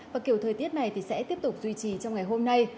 và kiểu thời tiết này thì sẽ tiếp tục duy trì trong ngày hôm nay